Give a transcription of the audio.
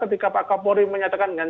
ketika pak kapolri menyatakan dengan